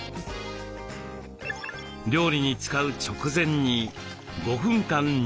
料理に使う直前に５分間煮るのです。